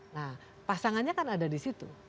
nah pasangannya kan ada di situ